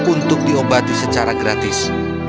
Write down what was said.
untuk diobati secara gratis